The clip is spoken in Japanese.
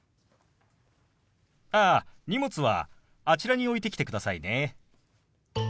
ああ荷物はあちらに置いてきてくださいね。